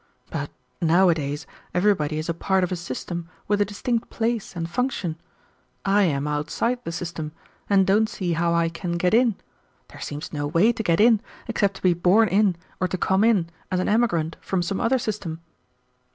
But nowadays everybody is a part of a system with a distinct place and function. I am outside the system, and don't see how I can get in; there seems no way to get in, except to be born in or to come in as an emigrant from some other system."